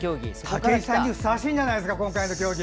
武井さんにふさわしいんじゃないですか。